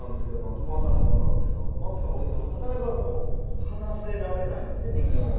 玉男さんもそうなんですけど幕が下りても離せられないんですね人形を。